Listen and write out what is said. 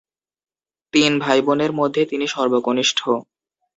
তিন ভাইবোনের মধ্যে তিনি সর্বকনিষ্ঠ।